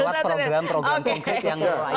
lewat program program konkret yang pro rakyat